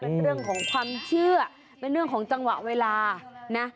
เป็นเรื่องของความเชื่อเป็นเรื่องของจังหวะเวลานะ